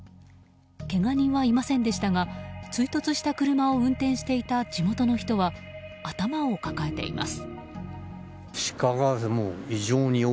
けが人はいませんでしたが追突した車を運転していた地元の人は、頭を抱えています。